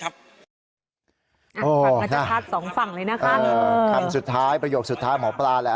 อาจจะพัดสองฝั่งเลยนะคะคำสุดท้ายประโยคสุดท้ายหมอปลาแหละ